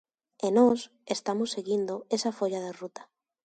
E nós estamos seguindo esa folla de ruta.